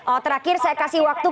oh terakhir saya kasih waktu